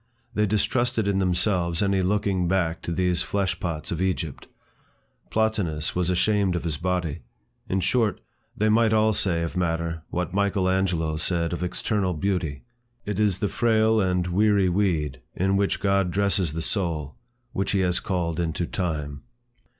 They distrusted in themselves any looking back to these flesh pots of Egypt. Plotinus was ashamed of his body. In short, they might all say of matter, what Michael Angelo said of external beauty, "it is the frail and weary weed, in which God dresses the soul, which he has called into time."